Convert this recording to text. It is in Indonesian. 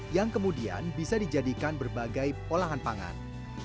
yang kemudian bisa dijadikan berbagai olahan pangan